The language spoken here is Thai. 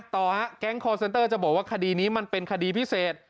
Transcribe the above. ต่อฮะแก๊งคอร์เซนเตอร์จะบอกว่าคดีนี้มันเป็นคดีพิเศษ